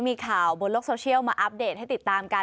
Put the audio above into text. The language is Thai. มีข่าวบนโลกโซเชียลมาอัปเดตให้ติดตามกัน